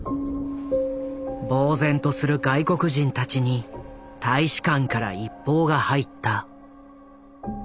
ぼう然とする外国人たちに大使館から一報が入った。